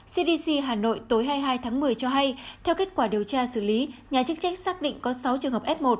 cdc hà nội tối hai mươi hai tháng một mươi cho hay theo kết quả điều tra xử lý nhà chức trách xác định có sáu trường hợp f một